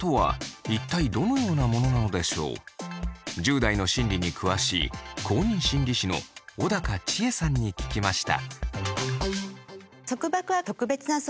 １０代の心理に詳しい公認心理師の小高千枝さんに聞きました。